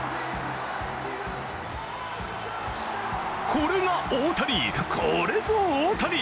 これが大谷、これぞ大谷。